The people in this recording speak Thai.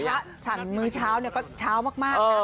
กรรมพระสั่นมื้อเช้าก็เช้ามากนะ